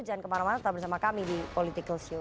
jangan kemana mana tetap bersama kami di politicals you